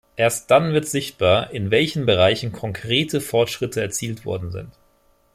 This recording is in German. Erst dann wird sichtbar, in welchen Bereichen konkrete Fortschritte erzielt worden sind.